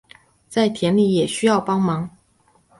在田里也需帮忙